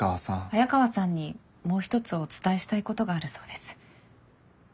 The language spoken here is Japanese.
早川さんにもう一つお伝えしたいことがあるそうです。